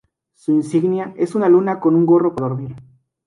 Su insignia es una luna con un gorro para dormir.